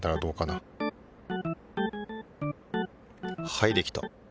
はいできた。